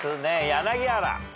柳原。